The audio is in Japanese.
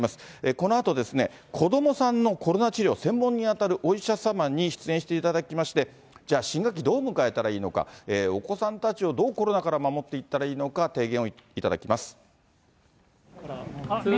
このあと、子どもさんのコロナ治療、専門に当たるお医者様に出演していただきまして、じゃあ新学期どう向かえたらいいのか、お子さんたちをどうコロナから守っていったらいいのか、見えた、見えた。